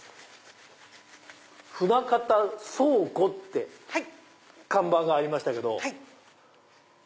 船形倉庫って看板がありましたけど。